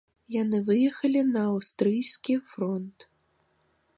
Яны выехалі на аўстрыйскі фронт.